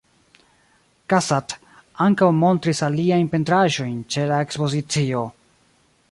Cassatt ankaŭ montris aliajn pentraĵojn ĉe la Ekspozicio.